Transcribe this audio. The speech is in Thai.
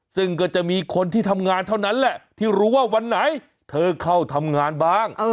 ซึ่งก็จะมีคนที่ทำงานเท่านั้นแหละที่รู้ว่าวันไหนเธอเข้าทำงานบ้าง